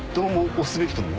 押すべきと思う？